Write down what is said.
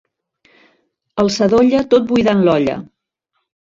El sadolla tot buidant l'olla.